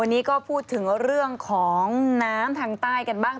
วันนี้ก็พูดถึงเรื่องของน้ำทางใต้กันบ้าง